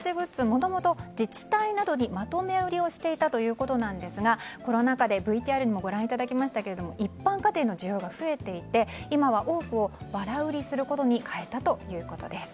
もともと自治体などにまとめ売りをしていたということなんですがコロナ禍でＶＴＲでもご覧いただきましたが一般家庭の需要が増えていて今は多くをばら売りすることに変えたということです。